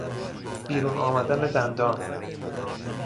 بیرون آمدن دندان